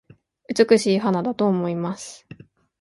美しい花だと思います